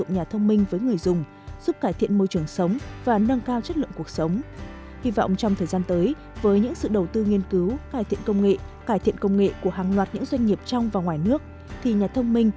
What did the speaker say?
nhà thông minh ở việt nam dần được ưa chuộng hơn